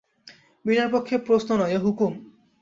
বিনয়ের পক্ষে এ তো প্রশ্ন নয়, এ হুকুম।